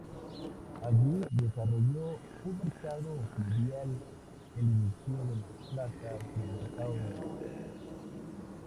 Allí desarrolló un mercado fluvial, el inicio de la plaza del mercado de hoy.